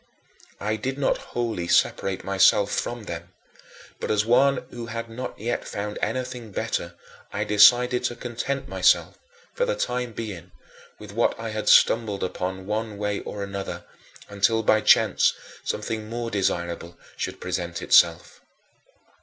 I did not wholly separate myself from them, but as one who had not yet found anything better I decided to content myself, for the time being, with what I had stumbled upon one way or another, until by chance something more desirable should present itself.